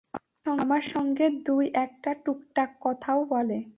আমার সঙ্গে দুই-একটা টুকটাক কথাও বলে।